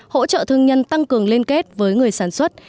hỗ trợ thương nhân tăng cường liên kết với người sản xuất